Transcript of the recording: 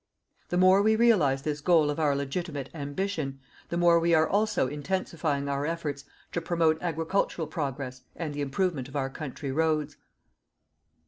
The more we realize this goal of our legitimate ambition, the more we are also intensifying our efforts to promote agricultural progress and the improvement of our country roads.